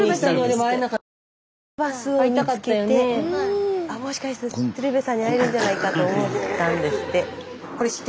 スタジオロケバスを見つけて「あもしかして鶴瓶さんに会えるんじゃないか」と思ったんですって。